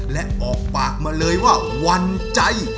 และออกปากมาเลยว่าวันใจ